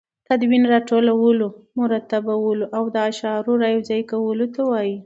تدوین راټولو، مرتبولو او د اشعارو رايو ځاى کولو ته وايي.